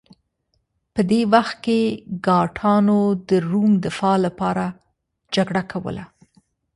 په دې وخت کې ګاټانو د روم دفاع لپاره جګړه کوله